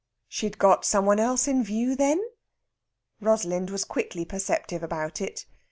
"She'd got some one else in view then?" Rosalind was quickly perceptive about it.